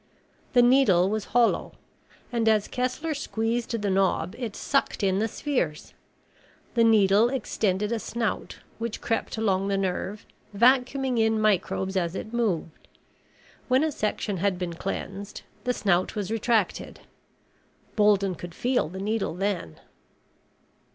The needle was hollow and as Kessler squeezed the knob it sucked in the spheres. The needle extended a snout which crept along the nerve, vacuuming in microbes as it moved. When a section had been cleansed, the snout was retracted. Bolden could feel the needle then.